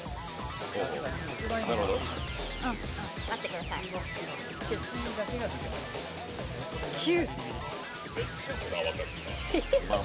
待ってください、９。